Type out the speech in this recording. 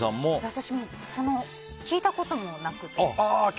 私も、聞いたこともなくて。